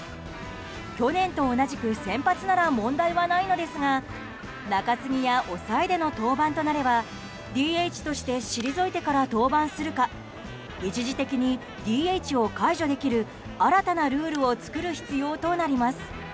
去年と同じく先発なら問題はないのですが中継ぎや抑えでの登板となればＤＨとして退いてから登板するか一時的にＤＨを解除できる新たなルールを作る必要となります。